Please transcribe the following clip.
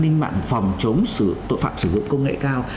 ninh mạng phòng chống tội phạm sử dụng công nghệ cao